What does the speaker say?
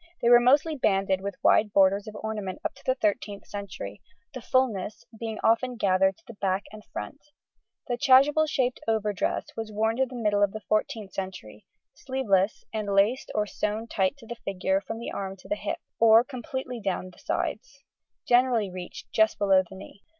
They were mostly banded with wide borders of ornament up to the 13th century, the fullness being often gathered to the back and front. The chasuble shaped overdress was worn to the middle of the 14th century, sleeveless, and, laced or sewn tight to the figure from the arm to the hip, or completely down the sides, generally reached just below the knee.